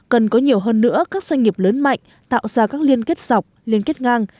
cần có nhiều hơn nữa các doanh nghiệp lớn mạnh tạo ra các liên kết dọc liên kết ngang